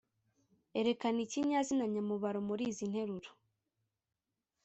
erekana ikinyazina nyamubaro muri izi nteruro